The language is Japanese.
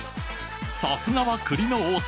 さすがは栗の王様